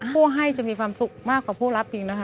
ผู้ให้จะมีความสุขมากกว่าผู้รับอีกนะคะ